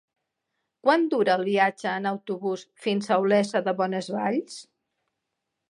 Quant dura el viatge en autobús fins a Olesa de Bonesvalls?